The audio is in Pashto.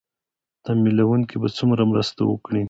ې تمويلوونکي به څومره مرسته وکړي